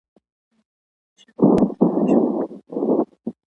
انګور په شمالی کې مشهور دي